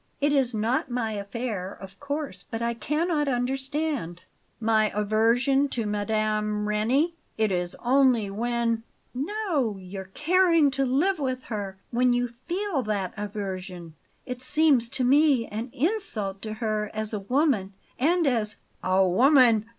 It is not my affair, of course, but I cannot understand " "My aversion to Mme. Reni? It is only when " "No, your caring to live with her when you feel that aversion. It seems to me an insult to her as a woman and as " "A woman!"